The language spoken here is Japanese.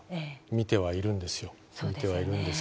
見てはいるんですけどね